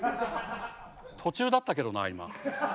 途中だったけどな今。